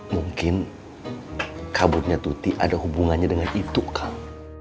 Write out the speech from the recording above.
mungkin kabutnya tuti ada hubungannya dengan itu kang